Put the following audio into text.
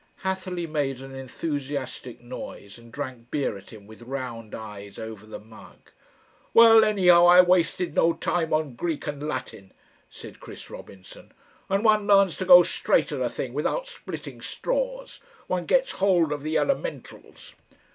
Hatherleigh made an enthusiastic noise and drank beer at him with round eyes over the mug. "Well, anyhow I wasted no time on Greek and Latin," said Chris Robinson. "And one learns to go straight at a thing without splitting straws. One gets hold of the Elementals."